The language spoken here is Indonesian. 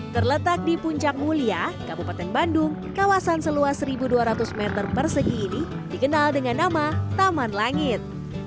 terletak di puncak mulia kabupaten bandung kawasan seluas satu dua ratus meter persegi ini dikenal dengan nama taman langit